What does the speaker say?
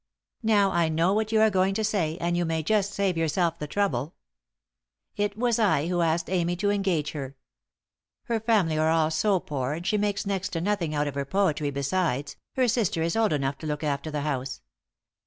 Now, I know what you are going to say, and you may just save yourself the trouble. It was I who asked Amy to engage her. Her family are all so poor, and she makes next to nothing out of her poetry besides, her sister is old enough to look after the house.